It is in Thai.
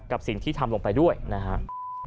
กับสิ่งที่ทำลงไปด้วยนะครับ